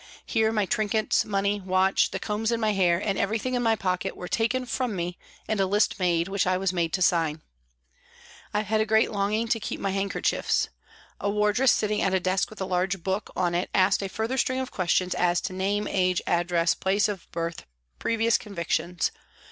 Here my trinkets, money, watch, the combs in my hair, and everything in my pocket were taken from me and a list made, which I had to sign. I had a great longing to keep my handkerchiefs. A wardress sitting at a desk with a large book on it asked a further string of questions as to age, name, address, place of birth, previous convictions.